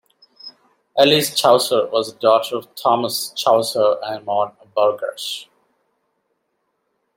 Alice Chaucer was a daughter of Thomas Chaucer and Maud Burghersh.